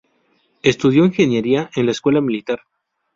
Estudió ingeniería en la Escuela Militar.